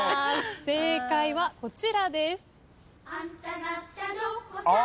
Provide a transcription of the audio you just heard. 正解はこちらです。